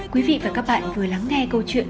quý vị và các bạn vừa lắng nghe câu chuyện